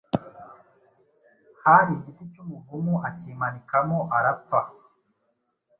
hari igiti cy’umuvumu akimanikamo arapfa.